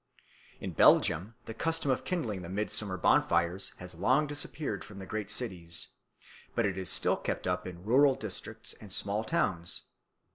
In Belgium the custom of kindling the midsummer bonfires has long disappeared from the great cities, but it is still kept up in rural districts and small towns.